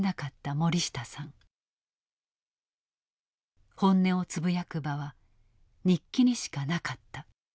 本音をつぶやく場は日記にしかなかった。